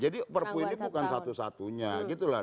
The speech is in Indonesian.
jadi perpu ini bukan satu satunya gitu lah